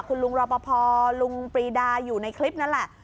คุณลุงรอปภลุงปรีดาอยู่ในคลิปนั่นแหละ